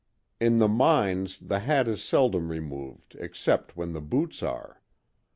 In the mines the hat is seldom removed except when the boots are.